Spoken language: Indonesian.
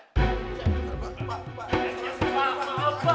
pak pak pak